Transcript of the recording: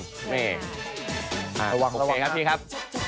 ระวังระวังครับ